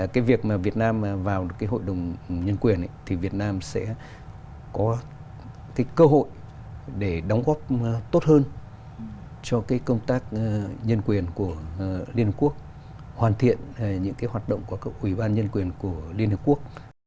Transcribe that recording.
cái việc mà việt nam vào cái hội đồng nhân quyền thì việt nam sẽ có cái cơ hội để đóng góp tốt hơn cho cái công tác nhân quyền của liên hợp quốc hoàn thiện những cái hoạt động của các ủy ban nhân quyền của liên hợp quốc